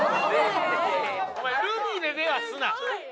お前ルミネではすな！